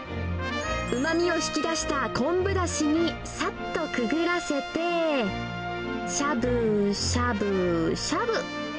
うまみを引き出した昆布だしにさっとくぐらせて、しゃぶしゃぶしゃぶ。